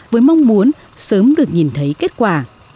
với mong muốn sớm được nhìn thấy kết quả